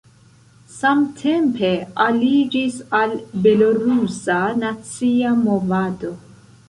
Samtempe aliĝis al belorusa nacia movado.